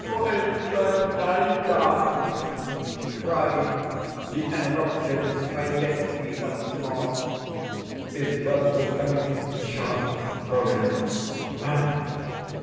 "'My Zinaida!' cried the enraptured Smileski once more. "His breath was coming in sharp, broken pants.